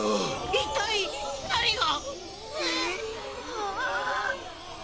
一体、何が？